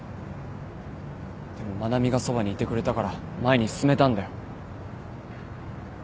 でも愛菜美がそばにいてくれたから前に進めたんだよ。